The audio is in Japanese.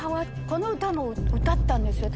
この歌も歌ったんですよ。